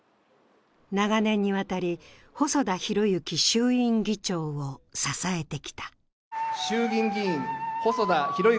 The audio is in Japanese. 長年にわたり、細田博之衆院議長を支えてきた。